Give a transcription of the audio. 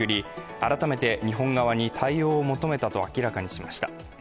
改めて日本側に対応を求めたと明らかにしました。